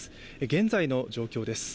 現在の状況です。